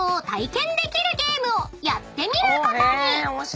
［やってみることに］